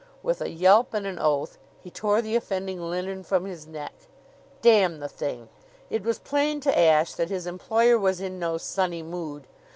With a yelp and an oath, he tore the offending linen from his neck. "Damn the thing!" It was plain to Ashe that his employer was in no sunny mood.